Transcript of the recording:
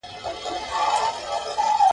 په مایکروفون کي یې ویلی دی !.